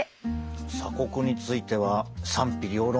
鎖国については賛否両論